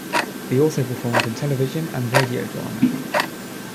He also performed in television and radio drama.